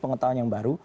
pengetahuan yang baru